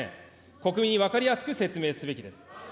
国民に分かりやすく説明すべきです。